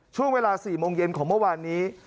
ช่วงเวลา๔โมงเย็นของเมื่อวานนี้